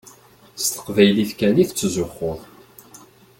S teqbaylit kan i tettzuxxuḍ.